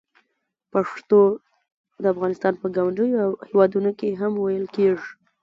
پښتو د افغانستان په ګاونډیو هېوادونو کې هم ویل کېږي.